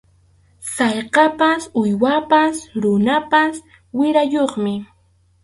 Sallqapas uywapas runapas wirayuqmi.